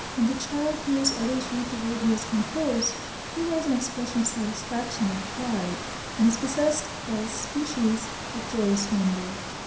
When the child hears others read the word he has composed, he wears an expression of satisfaction and pride, and is possessed by a species of joyous wonder.